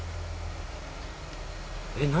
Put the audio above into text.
えっ何？